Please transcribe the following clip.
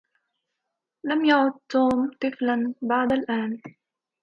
لم يعد توم طفلا بعد الآن.